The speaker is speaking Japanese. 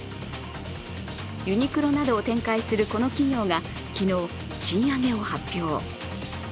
ユニクロなどを展開するこの企業が昨日、賃上げを発表。